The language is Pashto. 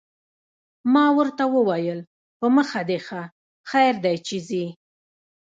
ما ورته وویل: په مخه دې ښه، خیر دی چې ځې.